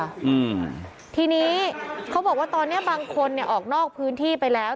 อืมทีนี้เขาบอกว่าตอนเนี้ยบางคนเนี้ยออกนอกพื้นที่ไปแล้ว